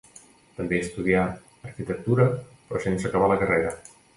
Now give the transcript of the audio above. També estudià arquitectura, però sense acabar la carrera.